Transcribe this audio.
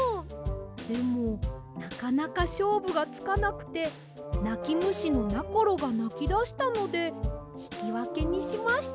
でもなかなかしょうぶがつかなくてなきむしのなころがなきだしたのでひきわけにしました。